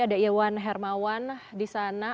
ada iwan hermawan di sana